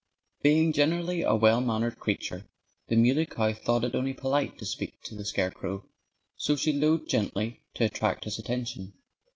Being, generally, a well mannered creature, the Muley Cow thought it only polite to speak to the scarecrow. So she lowed gently to attract his attention.